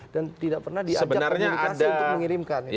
dan tidak pernah diajak komunikasi untuk mengirimkan